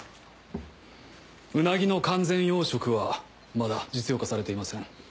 ウナギの完全養殖はまだ実用化されていません。